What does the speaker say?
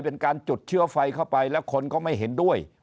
เป็นการจุดเชื้อไฟเข้าไปแล้วคนก็ไม่เห็นด้วย